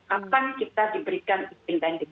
akan kita diberikan izin landing